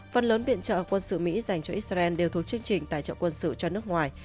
phần lớn viện trợ quân sự mỹ dành cho israel đều thuộc chương trình tài trợ quân sự cho nước ngoài